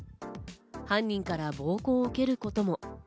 犯人から暴行を受けることも。